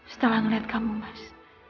setelah ngeliat kamu mas